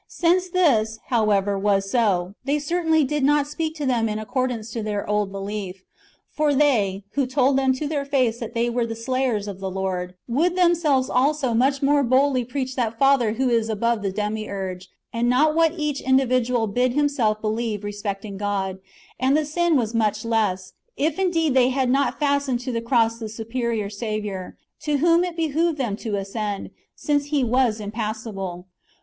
Since this, however, was so, they cer tainly did not speak to them in accordance with their old belief. For they, who told them to their face that they were the slayers of the Lord, would themselves also much more boldly preach that Father who is above the Demiurge, and not what each individual did himself believe [respecting God] ; and the sin was much less, if indeed they had not fastened to the cross the superior Saviour (to whom it be hoved them to ascend), since He was impassible.